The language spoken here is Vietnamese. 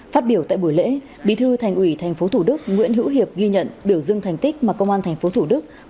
phát biểu tại buổi lễ bí thư thành ủy tp hcm nguyễn hữu hiệp ghi nhận biểu dương thành tích mà công an tp hcm